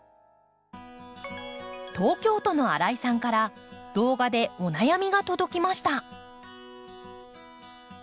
東京都の新井さんから動画でお悩みが届きました。